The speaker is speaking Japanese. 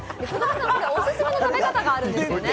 オススメの食べ方があるんですよね？